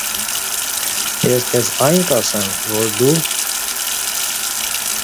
- Ես քեզ ա՛յն կասեմ, որ դու…